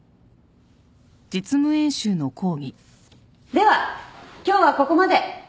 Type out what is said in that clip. では今日はここまで。